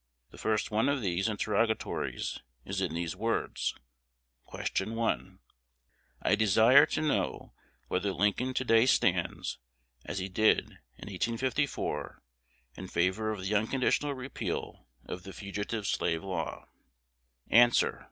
The first one of these interrogatories is in these words: Question 1. "I desire to know whether Lincoln to day stands, as he did in 1854, in favor of the unconditional repeal of the Fugitive Slave Law." Answer.